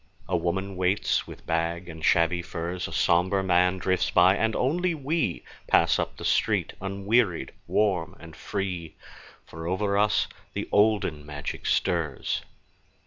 A woman waits with bag and shabby furs, A somber man drifts by, and only we Pass up the street unwearied, warm and free, For over us the olden magic stirs.